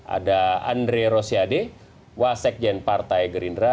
ada andre rosiade wasekjen partai gerindra